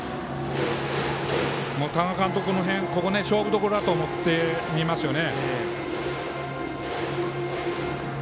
多賀監督もここ勝負どころだと思ってますよね。